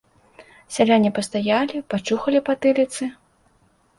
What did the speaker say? Сяляне пастаялі, пачухалі патыліцы.